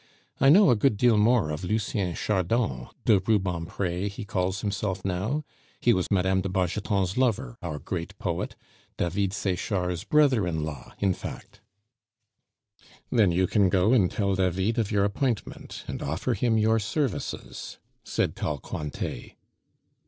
I know a good deal more of Lucien Chardon (de Rubempre he calls himself now), he was Mme. de Bargeton's lover, our great poet, David Sechard's brother in law, in fact." "Then you can go and tell David of your appointment, and offer him your services," said tall Cointet.